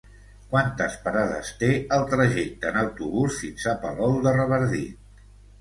Quantes parades té el trajecte en autobús fins a Palol de Revardit?